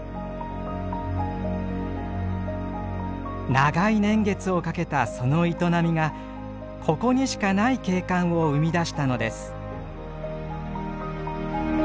長い年月をかけたその営みがここにしかない景観を生み出したのです。